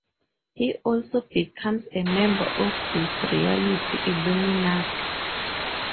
He also becomes a member of this reality's Illuminati.